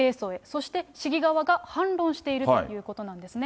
そして市議側が反論しているということなんですね。